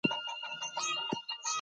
هغه د بې قانونۍ پر وړاندې جدي و.